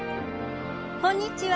こんにちは！